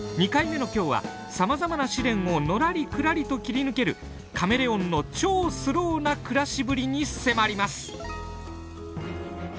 ２回目の今日はさまざまな試練をのらりくらりと切り抜けるカメレオンの超スローな暮らしぶりに迫ります。